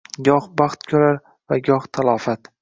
Goh baxt koʼrar va goh talofat.